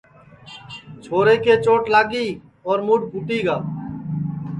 رمیشا کے چوٹ لاگی اور مُڈؔ پُھٹی گا